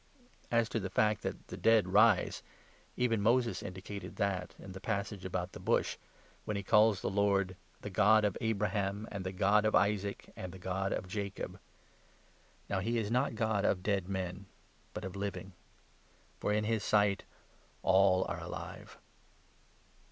As to the 37 fact that the dead rise, even Moses indicated that, in the passage about the Bush, when he calls the Lord —' The God of Abraham, and the God of Isaac, and the God of Jacob.' Now he is not God of dead men, but of living. For in his 38 sight all are alive."